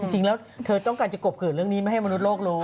จริงแล้วเธอต้องการจะกบขืนเรื่องนี้ไม่ให้มนุษย์โลกรู้